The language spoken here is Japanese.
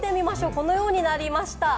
このようになりました。